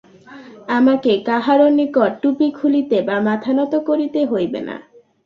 আমাকে কাহারও নিকট টুপি খুলিতে বা মাথা নত করিতে হইবে না।